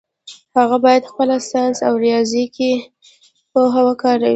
هغه باید خپله ساینسي او ریاضیکي پوهه وکاروي.